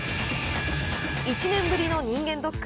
１年ぶりの人間ドック。